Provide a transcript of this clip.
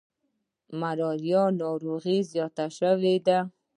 ملاریا ناروغي زیاته شوي ده.